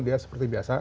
dia seperti biasa